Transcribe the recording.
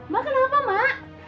mak kenapa mak